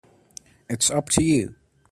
It's up to you.